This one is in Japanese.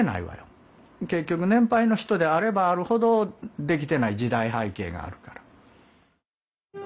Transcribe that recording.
結局年配の人であればあるほどできてない時代背景があるから。